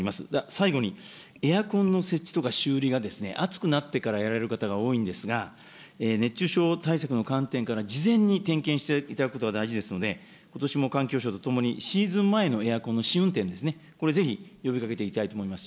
最後にエアコンの設置とか修理が、暑くなってからやられる方が多いんですが、熱中症対策の観点から事前に点検していただくことが大事ですので、ことしも環境省とともに、シーズン前のエアコンの試運転ですね、これ、ぜひ呼びかけていただきたいと思います。